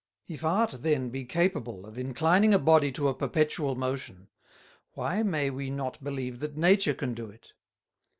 If Art then be capable of inclining a Body to a perpetual Motion, why may we not believe that Nature can do it?